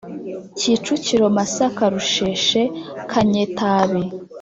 Kicukiro Masaka Rusheshe Kanyetabi